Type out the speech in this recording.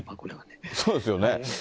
そうですよね。